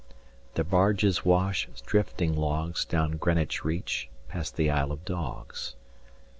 The barges wash Drifting logs Down Greenwich reach 275 Past the Isle of Dogs.